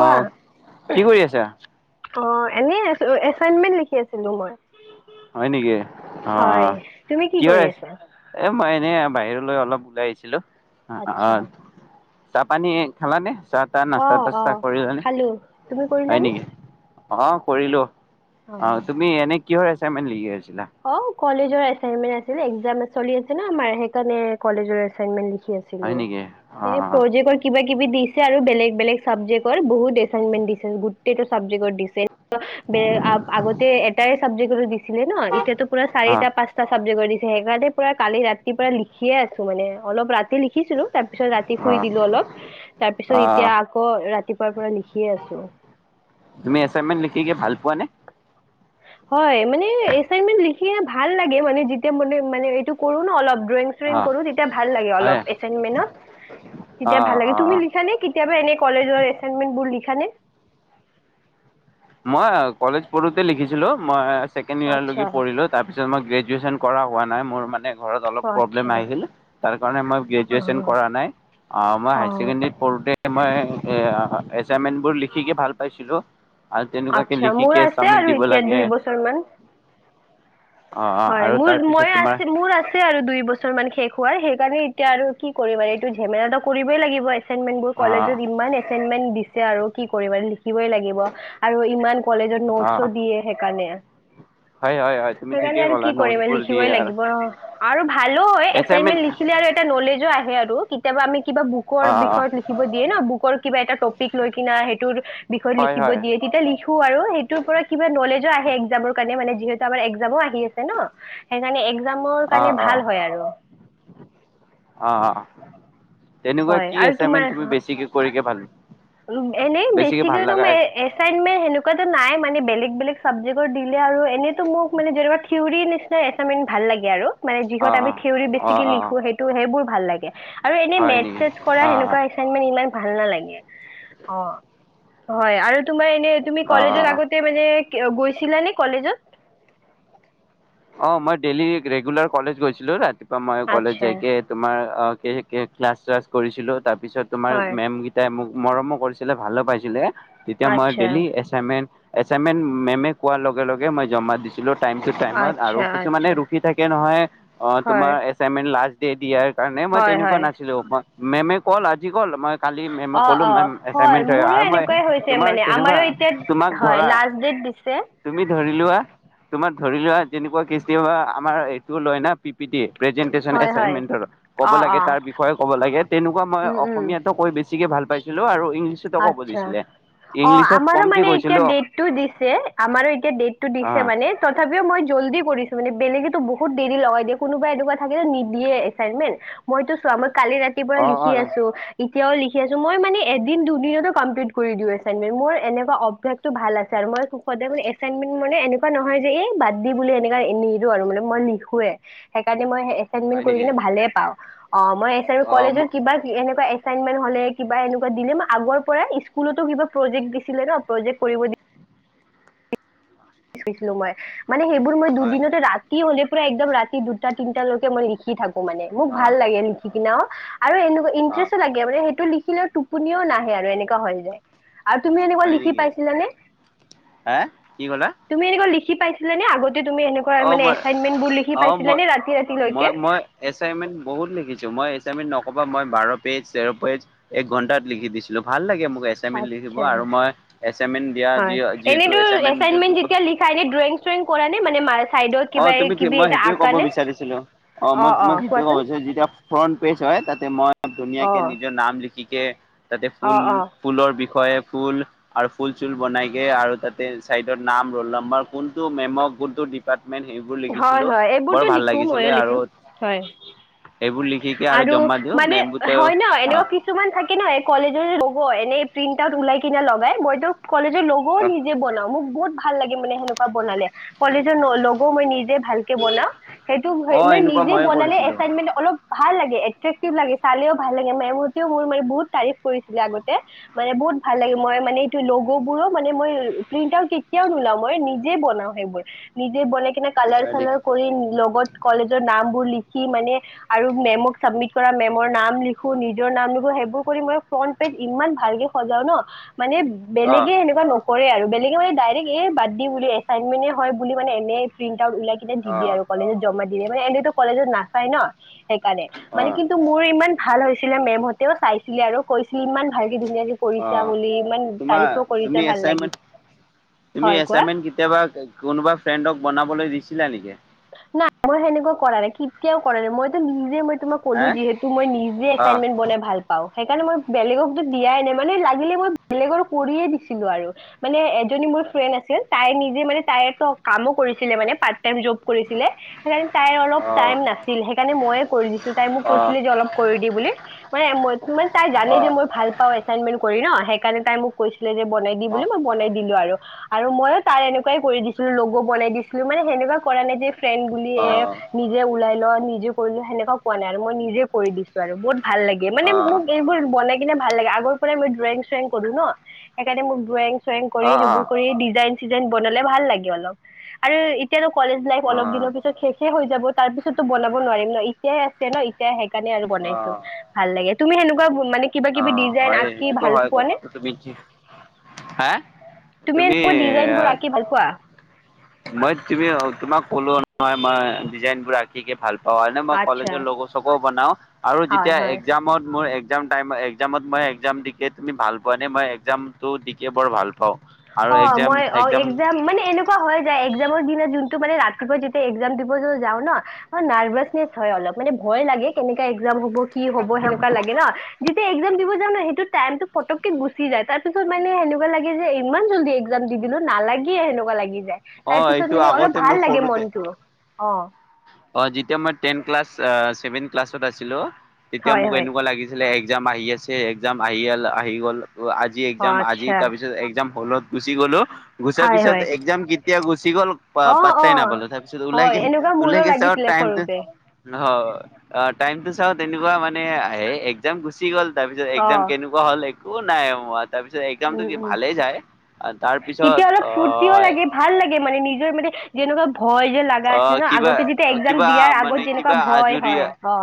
অ, কি কৰি আছা? অ' এনে আছোঁ এচাইনমেণ্ট লিখি আছিলো মই। হয় নেকি, অ অ। হয় তুমি কি হৈ কৰি আছে? আছা এ মই এনে বাহিৰত অলপ ওলাই আহিছিলো। অ আচ্ছা হয়। চাহ পানী খালানে? চাহ তাহ অ নাস্তা অ তাস্তা কৰিলানে? খালো। তুমি হয় কৰিলানে? নেকি? অ কৰিলো। অ তুমি এনে কি হৈ আছ [inaudible] লা অ কলেজৰ এচাইনমেণ্ট আছিলে। একজাম চলি আছে ন আমাৰ, সেইকাৰণে কলেজৰ এচাইনমেণ্ট লিখি আছিলো, হয় নেকি? এ অ', প্ৰজেক্টৰ কিবা কিবি দিছে আৰু বেলেগ বেলেগ চাবজেক্টৰ। বহুত এচাইনমেণ্ট দিছে, গোটেইটো চাবজেক্টৰ দিছে। বে আগ আগতে এটাই চাবজেক্টৰ দিছিলে ন। এতিয়াটো পুৰা অ', চাৰিটা পাঁ‌চটা চাবজেকৰ দিছে। হেইকাৰণে পুৰা কালি ৰাতিপায়ে লিখিয়ে আছো মানে। অলপ ৰাতি লিখিছিলো। তাৰপিছত ৰাতি শুই অ', দিলো অলপ। তাৰপিছত এতিয়া অ', আকৌ ৰাতি পুৱাৰ পৰা লিখি তুমি এচাইনমেন্ট লিখি কি ভাল পোৱা নে? হয়, মানে এচাইনমেন লিখি ভাল লাগে মানে যেতিয়া মানে মানে এইটো কৰো ন অলপ। ড্ৰয়িং-চয়িং অ', কৰোঁ, তেতিয়া ভাল লাগে অলপ হয়, এচাইনমেণত, তেতিয়া অ', ভাল অ', লাগে। অ'। তুমি লিখা নে কেতিয়াবা এনে কলেজৰ এচাইনমেণ্টবোৰ লিখা নে? মই কলেজ পঢ়োতে লিখিছিলোঁ‌। দিলো মাচ ছেকেণ্ড ইয়েৰলৈকে আচ্ছা পঢ়িলোঁ‌। তাৰ পিছত মই গ্ৰেজুৱেশ্যন কৰা হোৱা নাই মোৰ মা নাই ঘৰত অলপ প্ৰব্লেম আচ্ছা আহিছিল তাৰ কাৰণে মই গ্ৰেজুৱেশ্যন কৰা অ নাই। অঅ মই অ ছেকেণ্ডেৰীত পঢ়োঁতে মই এ এচাইনমেন্ট বোৰ লিখি কে ভাল পাইছিলোঁ‌। আচ্ছা, মোৰ আছে আৰু এতিয়া লাগে দুই বছৰ মান। অ' হয় আৰু মোৰ তাৰপিছত মই তোমাৰ আছে মোৰ আছে আৰু দুই বছৰ মান শেষ হোৱাৰ সেইকাৰণে এতিয়া আৰু কি কৰিবা আৰু এইটো ঝেমেলটো কৰিবই লাগিব এচাইনমেণ্টবোৰ অ' কলেজত ইমান এচাইনমেণ্ট দি ছে আৰু কি কৰিবা লিখিবই লাগিব আৰু ইমান কলেজৰ অ' নোটছও দিয়ে সেইকাৰণে হয় হয় হয় তুমি সেইকাৰণে ঠিকেই আৰু ক'লা কি কৰিবা নোটছবোৰ দিয়ে লিখিবই আৰু লাগিব অ' আৰু ভালো হয় এছাইনমেণ্ট লিখিলে আৰু এটা নলেজো আ হে আৰু কেতিয়াবা আমি কিবা বুকৰ অ' বিষয়ত লিখিব দিয়ে ন বুকৰ কিবা এটা টপিক লৈ কিনা সেইটোৰ বিষয়ত হয় লিখিব হয় দিয়ে তেতিয়া লিখো আৰু সেইটোৰ পৰা কিবা নলেজো আ এক্সামৰ কাৰণে মানে যিহেতু আমাৰ এক্সামও আহি আহি আছে ন সেইকাৰণে এ এক্সামৰ অ কাৰণে অ ভাল হয় আৰু অ তেনেকুৱা হয় কি আছে ইমান তুমি বেছিকে কৰিকে ভাল- উ' এনেই ভাল বেছিকে লগা তোমাৰ আছে এছাইনমেণ্ট হেনেকুৱা নাই মানে বেলেগ বেলেগ চাবজেক্টৰ দিলে আৰু এনেইতো মোক মানে যেনেকা থিয়ৰী নিচিনা এছাইনমেণ্ট ভাল লাগে আৰু মানে অ যিহত অ আমি থিয়ৰী অ বেছিকে অ অ লিখো সেইটো সেইবোৰ ভাল লাগে আৰু এনে হয় মেথছ নেকি চেথছ কৰা অ সেনেকুৱা এছাইনমেন্ট ইমান ভাল নালাগে। অ' হয় আৰু তোমাৰ এ এ তুমি অ অ কলেজৰ অ আগতে মানে গৈছিলানে কলেজত? অ' মই ডেইলি ৰেগুলাৰ কলেজ গৈছিলো ৰাতিপুৱা বা মই কলেজ আচ্ছা যাইকে তোমাৰ আ কে কে ক্লাছ চালছ কৰিছিলো তাত তাৰ পিছত তোমাৰ হয় মে'ম গিটাই মোক মৰমো কৰিছিলে ভালো পাইছিলে তেতিয়া মই আচ্ছা ডেইলি এছাইনমেণ্ট এছাইনমেণ্ট মে'মে কোৱাৰ লগে লগে মই জমা দিছিলোঁ। টাইম টু টাইমত আৰু আচ্ছা কিছুমানে আচ্ছা ৰুখি থাকে নহয় অ' হয় তোমাৰ এছাইনমেণ্ট লাষ্ট ডে দিয়াৰ। কাৰণে মই হয় তেনেকুৱা হয় নাছিলোঁ মেমে ক'ল আজি মই কালি মেমক অ কলো অ মেম হয় এছাইনমেণ্ট তৈয়াৰ মোৰো আৰু মই এনেকুৱাই হৈছে তোমাৰ মানে তেনেকুৱা আমাৰো এতিয়া তোমাক হয় ধৰা লাষ্ট ডেট দিছে তুমি ধৰি লোৱা তোমাৰ ধৰি লোৱা যেনেকুৱা কৃষ্টি হয় আমাৰ এইটো লয় না পি পি টি প্ৰেজেন্টেচন হয় হয় এচাইনমেন্টৰ ক'ব অ লাগে অ তাৰ বিষয়ে ক'ব লাগে তেনেকুৱা মই উম উম অসমীয়াতো কৈ বেছি বেছিকে ভাল পাইছিলো আৰু ইংলিছতো ক'ব আচ্ছা দিছিলে। অ ইংলিছত আমাৰো কমকে মানে এতিয়া কৈছিলো ডেটটো দিছে আমাৰো এতিয়া ডেটটো দিছে অ' মানে তথাপিও মই জলদি কৰিছো মানে বেলেগেতো বহুত দেৰি লগাই দিয়ে কোনোবা এনেকুৱা থাকে নিদিয়ে এচাইনমেন্ট মইতো চোৱা কালি ৰাতিপুৱা অ' লিখি অ' আছোঁ এতিয়াও লিখি আছোঁ মই মানে এদিন দুদিনতো কমপ্লিট কৰি দিও এছাইনমেণ্ট। মোৰ এনেকুৱা অভ্যাস টো ভাল আছে আৰু মই সুখতে মানে এছাইনমেণ্ট মানে এনেকুৱা নহয় যে এই বাদ দি বুলি এনেকুৱা নিদো আৰু মানে মই লিখোয়ে সেইকাৰণে মই এছাইনমেণ্ট হয় কৰি নেকি কিনে ভালে পাওঁ অ মই এছাইনমেণ্ট অ' কলেজৰ কিবা এনেকুৱা এক- এছাইনমেণ্ট হ'লে কিবা এনেকুৱা দিলে মা- আগৰ পৰাই স্কুলতো কিবা প্ৰজেক্ট দিছিলে ন প্ৰজেক্ট কৰিব দি- [unintelligible] ছিলো মই মানে সেইবোৰ মই হয় দুদিনতে ৰাতি হ'লে পুৰা একদম ৰাতি দুটা তিনটা লৈকে মই লিখি থাকো মানে মোক অ' ভাল লাগে লিখি কি ন আৰু এনেকুৱ অ' ইণ্টাৰেষ্ট লাগে মানে সেইটো লি খিলে টোপনিও নাহে আৰু এনেকুৱা হৈ যায় আৰু তুমি এনেকুৱা হয় লিখি নেকি পাইছিলানে? হা কি ক'লা তুমি এনেকুৱা লিখা কি পাইছিলানে আগত অ মই অ মই পাইছিলানে ৰাতি ৰাতিলৈকে মই মই এছাইনমেণ্ট বহুত লিখিছো মই এছাইনমেণ্ট নক- কবা মই বাৰ পেজ তেৰ পেজ এক ঘন্টাত লিখি দিছিলো ভাল লাগে মোক এছাইনমেন্ট লিখিব আচ্ছা আৰু মই এছাইনমেন্ট দিয়া যি হয় যিহেতু এনেতো এছাইনমেন্ট যিহেতু এচাইনমেন্ট যেতিয়া লিখা এনেই ড্ৰয়িং চয়িং কৰা নে মানে [unintelligible] অ কিবা তুমি ঠিক কিবি মই এটা সেইটোয়ে আঁকা ক'ব নে বিচাৰিছিলো অ মই তোমাক সেইটোয়ে কব বিচাৰো যেতিয়া ফ্ৰন্ট পেজ হয় তাতে মই ধুনীয়া অ কে নিজৰ নাম লিখি এ তাতে অ ফুল, অ ফুলৰ বিষয় ফুল আৰু ফুল-চুল বনাইগে আৰু তাতে চাইডৰ নাম, ৰোল নম্বাৰ, কোনটো মেমক, কোনটো ডি হয় হয়। এইবোৰতো লিখো, লাগিছিলে মইয়ো লিখো আৰু হয়। এইবোৰ লিখিকে আৰু জমা দিওঁ মানে মেমবোতে অ হয় ন', এনেও অ কিছুমান থাকে ন কলেজৰ লগ এনে প্ৰিন্টাওত ওলাই কিনে লগাই মইতো কলেজৰ ল'গ'ও নিজে বনাও, মোক বহুত ভাল লাগে মানে হেনেকুৱা বনালে, কলেজৰ ল লগ ও মই নিজে ভালকে বনাও। হেতু হে অ মানে এনেকুৱা নিজে ময়ে বনালে কৰিছিলো এচাইনমেন্টো অলপ ভাল লাগে, এট্ৰেক্টিভ লাগে, চালেও ভাল লাগে, মেমহতেও মোৰ মানে বহুত তাৰিফ কৰিছিলে আগতে। মানে বহুত ভাল লাগে, মই মানে এইটো ল'গ' বোৰো মানে মই প্ৰিণ্টাওত কেতিয়াও নোলাও, মই নিজে বনাও সেইবোৰ নিজে বনাই কি কিনে কালাৰ-চালাৰ কৰি ল'গ'ত কলেজৰ নামবোৰ লিখি মানে আৰু মেমক চাবমিট কৰা মেমৰ নাম লিখো, নিজৰ নাম লিখো সেইবোৰ কৰি মই ফ্ৰন্ট পেজ ইমান ভালকে সজাও ন' মানে অ অ বেলেগে সেনেকুৱা নকৰে আৰু বেলেগে মানে ডাইৰেক্ট এই বাদ দি বুলি এচাইনমেন্টহে হয় বুলি মানে এনে প্ৰিন্ট আওত ওলাই কেনে দি দিয়ে আৰু, কলেজত জমা দি দে মানে এনেতো কলেজত নাচায় ন' সেইকাৰণে, অ মানে কিন্তু মোৰ ইমান ভাল হৈছে ছিলে মেমহতেও চাইছিলে, আৰু কৈছিলে ইমান ভাল অ', তোমাৰ কৰিছা তুমি ভাল লাগিল এচাইনমেন্ট, তুমি হয় কোৱা এচাইনমেন্ট কেতিয়াবা এ কোনোবা ফ্ৰেণ্ডক বনাবলৈ দিছ ছিলা নেকি? নাই, মই হেনেকুৱা কৰা নাই, কেতিয়াও কৰা নাই। মইতো নিজে মই ই ক'লো হা যিহেতু, মই নিজে অ এচাইনমেন্ট বনাই ভাল পাওঁ। হেইকাৰণে মই বেলেগকতো দিয়াই নাই, মানে লাগিলে মই বেলেগৰো কৰিয়ে দিছিলো, আৰু মানে এজনী মোৰ ফ্ৰেণ্ড আছিল তাই নিজে মানে তাইতো কামো কৰিছিলে মানে পাৰ্ট টাইম জব কৰিছিলে সেইকাৰণে তাইৰ অলপ অ টাইম নাছিল সেইকাৰণে ময়ে কৰি দিছো, তাই মোক অ কৈছিলে যে অলপ কৰিদিবলে মানে মইতো মা তাই জানে অ যে মই ভাল পাওঁ এচাইনমেন্ট ক কৰি ন', সেই কাৰণে তাই মোক কৈছিলে যে বনাই দি অ বুলি। মই বনাই দিলো আৰু, মইয়ো তাই এনেকুৱাই কৰি দিছিলো ল'গ' বনাই দিছিলো। মানে হেনেকুৱা কৰা নাই যে ফ্ৰেণ্ড বুলি অ অ এ অ নিজে ওলাই ল' নিজে কৰি ল' হেনেকুৱা কোৱা নাই আৰু মই নিজে কৰি দিছো আৰু। বহুত ভাল লাগে, মানে মোক এইবোৰ বনাই কিনে ভাল লাগে। আগৰপৰাই মোৰ ড্ৰইং-চইং কৰো ন', সেইকাৰণেই মোৰ ড্ৰইং ড্ৰইং কৰি, সেইবোৰ কৰি, ডিজাইন চিজাইন বনালে ভাল লাগে অলপ। আৰু এতিয়াতো কলেজ লাইফ অ অলপ দিনৰ অ পিছত শেষে হৈ যাব তাৰ পিছতো বনাব নোৱাৰিম ন', এতিয় আছে ন এতিয়াই সেইকাৰণে আৰু অ বনাইছো, ভাল লাগে। তুমি হেনেকোৱা ম মানে কিবা অ কিবি ডিজাইন হয় আ সেইটোতো হয়। কথটো তুমি ঠিক, হা, তুমি এনেকুৱা ডিজাইন বোৰ তুমি- আঁকি ভাল পোৱা মই তুমি, তোমাক ক'লো নহয় মই ডিজাইনবোৰ আঁকিকে ভাল পা অ এনে মই আচ্ছা, কলেজৰ লগ চগ বনাও আৰু হয় যেতিয়া হয়। এক্সজামত মোৰ এক- এক্সামত টাইমত এক্সামত মই এক্সাম দিকে তুমি ভাল পোৱা নে? মই এক্সামটো দিকে বৰ ভাল পাওঁ। আৰু অ এক্জাম মই অ এক্জাম এক্সজাম মানে এনেকা কোৱা হয় যায় এক্সজামৰ দিনা যোনটো মানে ৰাতিপুৱা যেতিয়া এক্সজাম দিব যাও ন নাৰ্ভাচনেচ হয় অলপ মানে ভয় লাগে কেনেকা এক্সজাম হ'ব কি হ'ব সেনেকুৱা লাগে ন যেতিয়া এক্সজাম দিব যা ন সেইটো টাইমত পতককে গুচি যায় তাৰ পিছত মানে সেনেকুৱা লাগে যে ইমান জল্দি এক্সজাম দি দিলো নালাগি সেনেকুৱা লাগি যায় অ তাৰপিছত এইটো মানে অলপ আগতে ভাল মোৰ লাগে সৰুতে মনটো অ অ যেতিয়া মই টেন ক্লাছ ছেভেন ক্লাছত আছিলো তেতিয়া হয় মোক হয় এনেকুৱা লাগিছিলে এক্সজাম আহি আছে এক্সজাম আহি অল আহি গ'ল আজি অ' এক্সজাম আজি আচ্ছা তাৰপিছত এক্সজাম হ'লো গুচি গলো গুচাৰ হয় পিছত হয় এক্সজাম কেতিয়া গুচি গ'ল অ' অ' পাত্তাই নাপালো তাৰ পিছত হয় ওলাইগে এনেকুৱা মোৰো ওলাইগিছে আৰু লাগিছিলে টাইমটো সৰুতে নহ অ টাইম টো চাও তেনেকুৱা মানে এক্সজাম গুচি গ'ল তাৰপিছত এক্সজাম অ' কেনেকুৱা হ'ল এক অ নাই অ আত তাৰপিছত উম এক্সজামটো কি উম ভালেই যায় তেতিয়া তাৰপিছত অলপ অ ফূৰ্তিও এ লাগে ভাল লাগে মানে নিজৰ মানে যেনেকুৱা ভয় যে লগা আছে ন আগতে যেতিয়া এক্সজাম কিবা দিয়াৰ আগত মানে যেনেকুৱা কিবা ভয় আজৰি হয় অ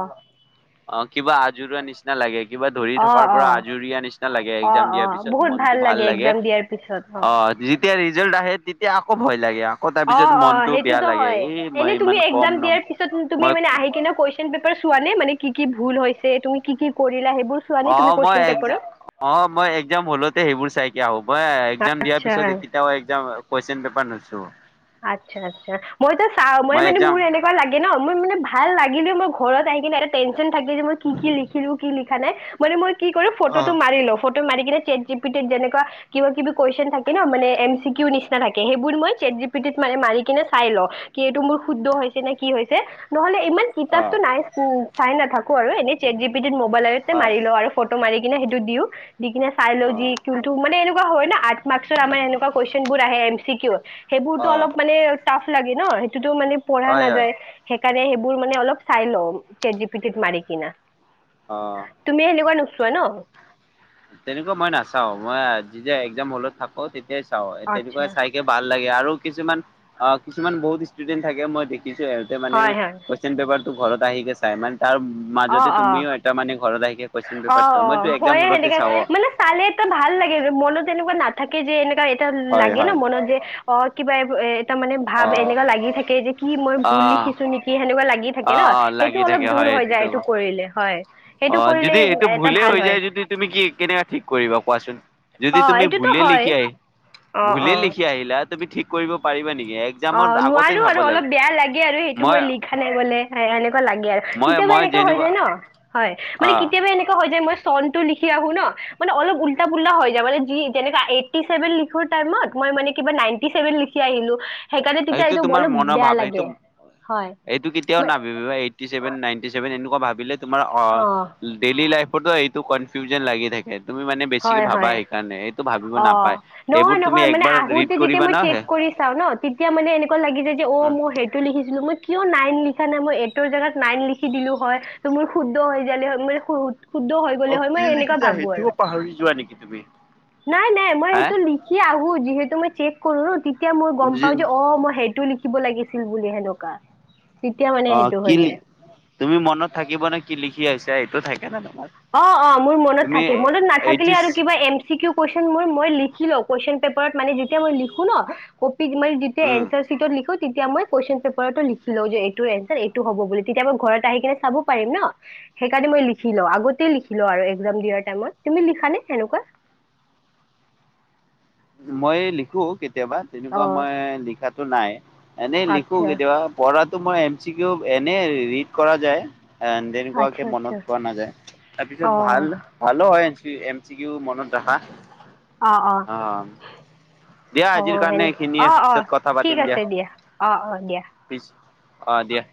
জোৰোৱা নিচিনা লাগে কিবা ধৰি অ থকাৰ অ পৰা আজৰিয়া নিচিনা লাগে অ এক্সজাম অ দিয়াৰ পিছত বহুত মনটো ভাল লাগে এক্জাম দিয়াৰ পিছত অ যি য়েতিয়া ৰিজল্ট আহে তেতিয়া আকৌ ভয় লাগে আকৌ অ তাৰপিছত অ মনটো বেয়া সেইটোতো লাগে হয় এই মই এনে তুমি ইমান কম এক্সজাম ন দিয়াৰ পিছত তুমি মই মানে আহি কিনে কুৱেশ্যন পেপাৰ চো- চোৱা নে মানে কি কি ভুল হৈছে তুমি কি কি কৰি অ মই অ মই এক্সজা অ মই এক্সজাম হলতে সেইবোৰ চাইকে আহো মই এক্সজাম দিয়াৰ পিছত আচ্ছা সিকেটাও এক্সজাম হয় কুৱেশ্যন পেপা- বনাইছো আচ্ছা আচ্ছা মইতো চা মই মানে মোৰ এনেকুৱা লাগে ন মানে ভাল লাগিলে মোৰ ঘৰত আহি কিনে এটা টেনচন থাকে যে মই কি কি লিখিলো কি লিখা নাই মানে মই কি কৰে ফটো অ মিৰি ল ফট- মাৰিকিনে চেত জিপিটি যেনেকুৱা কিবা কিবি কুৱেশ্যন থাকে ন মানে এম চি কিউ নিচিনা থাকে সেইবোৰ মই চেত জি- পিটিত মানে মাৰি কিনে চাই ল কি এইটো মোৰ শুদ্ধ হৈছে নে কি হৈছে নহলে ইমান অ কিতাপতো নাই [unintelligible] চাই নাথাকো আৰু এনেইে চেত জিপিটি মোবাইলতে হয় মাৰি ল আৰু ফটো মাৰি কিনে সেইটো দিও দি কিনে চাই লও অ যি কোনটো মানে এনেকুৱা হয় না আঠ মাৰ্ক্সৰ আমাৰ এনেকোৱা কুৱেশ্যন বোৰ আহে এম চি কিউ অ সেইবোৰতো অলপ মানে টাফ লাগে ন টো মানে পঢ়া হয় হয় নাযায় সেইকাৰণে সেইবোৰ মানে অলপ চাই ল' চেত জি পিটিত মাৰি কিনা অ তুমি হনেকুৱা নো- াই ন তেনেকুৱা মই নাচাও মই যেতিয়া এক্জাম হলত থাকো তেতিয়া চা তেনেকুৱা আচ্ছা চাইকে ভাল লাগে আৰু কিছুমান অ কিছুমান বহুত ষ্টুডেন্ট থাকে মই দেখো সহতোনে হয় হয় কন পেপাৰ [unintelligible] ো ঘৰত আহি গৈছা ইমান তাৰ অ মাজতে অ তুমিও এটা মানে ঘৰত আহে অ কাৰ অ মইটো একজাম হয়ে হলত মানে চালে এটা ভাল লাগে মনত এনেকুৱা নাথাকে যে এনেকা হয় লাগে ন হয় মনত যে অ কিবা উ াৰ মানে অ ভাৱ এনেকুৱা লাগি থাকে যে কি মই অ ভুল লিখিছো নেকি সেনেুৱা লাগ ল অ থাকে ন অ সেইটো লাগি অলপ থাকে দূৰ হয় হৈ যায় এইটোতো এইটো কৰিলে হয় সেইটো অ কৰিলে যদি এইটো এটা ভুলেই ভাল হৈ হয় যায় যদি তুমি কি কেনেকুৱা ঠিক কৰিবা কোৱাচোন যদি অ তুমি এইটোতো ভুললে হয় লিখি আহ অ ভূলে অ লিখি আহিলাাত তুি ঠিক কৰিব পাৰিবা নেকি অ এক্জামৰ আগতে নোৱাৰো চাব আৰু লাগে অলপ বেয়া লাগে আৰু সেইটো মই লিখা নাই গলে এনেুৱা লাগে আৰু মই কেতিয়াবা মই এনেকুৱা হৈ যেনেকুৱা যায় ন হয় অ মানে কেতিয়াবা এনেকুৱা হয় যায় মই নটো লিখি আহো ন মানে অলপ উল্ প্টা হৈ য মানেনেভেনখ াইত মই মানে কিবা নিভেন লিিিলো সেইটো তোমাৰ মনৰ ভাৱ সেইটো হয় এইটো কেতিয়াও মানে নাভাবিভা এইতটি চেভেন নাইনটি চেভেন [unintelligible] ভাবিলে তোমাৰ অ ডেইলি লাইফ ৰতো [unintelligible] এইটো কনফিউজন লাগি থাকে তুমি মানে বেছিকে হয় ভাবা হয় সেইকাৰণে এইটো ভাবিব অ নাপায় নহয় সেইবোৰ তুমি নহয় মানে একবাৰ আহোতে ৰিড কৰিবা ন হে মানেনেুৱা লাগিছে যে অ মই সেইটো লিখিছিলো মই কিয় নাই নে মই এইৰ জেগাত নাইন লিখি দিলো হয় ত মোৰ শুদ্ধ হৈ যালো ম শুদ্ধ হৈ অ গ'লে হয় কি মই সেনেকুৱা লিখিছা ভাবো আৰু সেইটোও পাহৰি [unintelligible] [inaudible] নাই নাই মই হা সেইটো লিখি আহো যিহেতু মই চেক। কৰো তেতিয়া। এতিয়া মই গম পাওঁ যে অ মই সেইটো লিখো। শিকিব লাগিছিল বুলি সেনেকুৱা। তেতিয়া অ মানে সেইটো কি হৈ যায় তুমি মনত থাকিব নে কি লিখি আহিছ। এ এইটো থাকে জানো অ অ মোৰ মনত থাকে মনত নাথাকিলে এইটিছ আৰু কিবা এম চি কিউ কুৱেচন মোৰ। মই লিখিল কুৱেশন পেপাৰত মানে যেতিয়া মই লিখো ন। মই তেতিয়া উম এন্টাচিত লিখো। তেতিয়া মই কুৱেশচন পেপাৰ লিখ লও। যে এইটো এনাৰ এইটো হব বুলি। তেতিয়া মই ঘৰত আহি কিনে চাব পাৰিম ন। সেইকাৰণে মই লিখি লওঁ আগ। লিখ ল একজাম দিয়াৰ টাইমত তুমি লিখ সেনেকুৱা। মই লিখো কেতিয়া। কেতিয়াবা তেনেকুৱা মই অ লিখাত। তটো নাই। এনেই লিখ আচ্ছা কেতিয়াবা পৰত। তমই এম চিকিউ এনে ৰিড কৰা যায়। এ তেনেকুৱাকে আচ্ছা মনত পোৱা আচ্ছা নাযায় তাৰ পিছত অ ভাল ভালো হয়। ম চি। মনত ৰাখা অ। দিয়া অ আজিৰ কাৰণে সেনে এইখিনিয়ে অ অ পিছত কথা ঠিক পাতিম দিয়া। আছে অ অ। দিয়া পিছ। অ দিয়া।